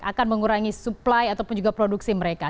akan mengurangi supply ataupun juga produksi mereka